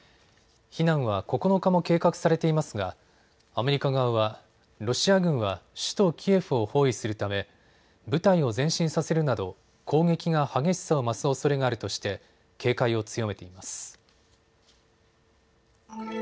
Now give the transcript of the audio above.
避難は９日も計画されていますがアメリカ側はロシア軍は首都キエフを包囲するため部隊を前進させるなど攻撃が激しさを増すおそれがあるとして警戒を強めています。